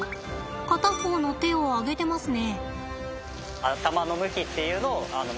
片方の手を上げてますね。